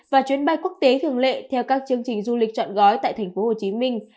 và chuyến bay quốc tế thường lệ theo các chương trình du lịch chọn gói tại thành phố hồ chí minh